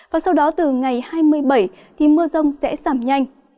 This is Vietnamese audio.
và sau đó từ ngày hai mươi bảy thì mưa rông sẽ giảm nhanh